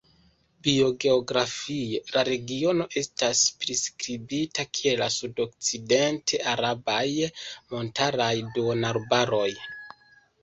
Biogeografie la regiono estas priskribita kiel la sudokcident-arabaj montaraj duonarbaroj.